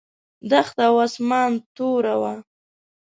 دښته او اسمان توره وه.